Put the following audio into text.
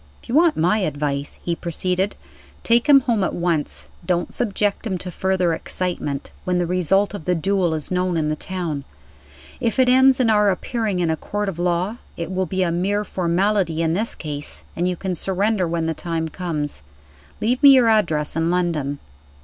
"If you want my advice," he proceeded, "take him home at once. Don't subject him to further excitement, when the result of the duel is known in the town. If it ends in our appearing in a court of law, it will be a mere formality in this case, and you can surrender when the time comes. Leave me your address in London."